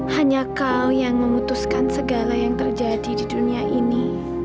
hanya kau yang memutuskan segala yang terjadi di dunia ini